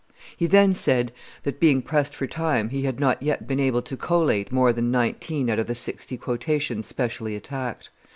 He then said that, being pressed for time, he had not yet been able to collate more than nineteen out of the sixty quotations specially attacked.